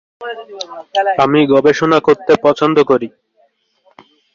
এটি বর্তমানে Ireland football অ্যাসোসিয়েশনের সাথে সংযুক্ত রয়েছে।